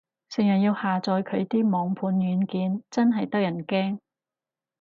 成日要下載佢啲網盤軟件，真係得人驚